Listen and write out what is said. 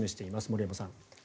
森山さん。